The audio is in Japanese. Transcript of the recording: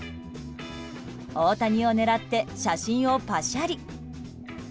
大谷を狙って、写真をパシャリ。